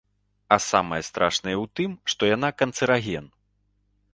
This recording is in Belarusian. А самае страшнае ў тым, што яна канцэраген.